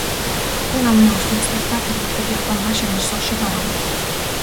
Хүн амын урт наслалтаар тэргүүлдэг Япон маш оньсого шиг орон.